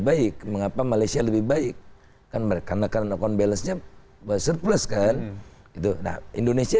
baik mengapa malaysia lebih baik kan mereka karena akun balance nya surplus kan itu nah indonesia